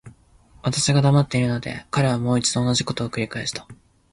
私が黙っているので、彼はもう一度同じことを繰返した。